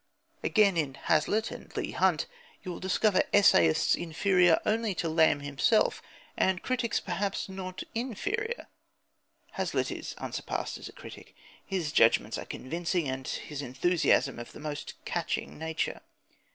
Again, in Hazlitt and Leigh Hunt you will discover essayists inferior only to Lamb himself, and critics perhaps not inferior. Hazlitt is unsurpassed as a critic. His judgments are convincing and his enthusiasm of the most catching nature.